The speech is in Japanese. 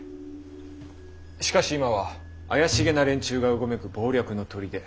しかし今は怪しげな連中がうごめく謀略の砦なのでは？